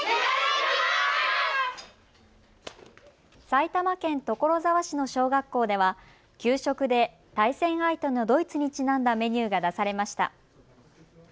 埼玉県所沢市の小学校では給食で対戦相手のドイツにちなんだメニューが出されました。